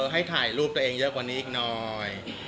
ให้ถ่ายรูปตัวเองเยอะกว่านี้อีกหน่อย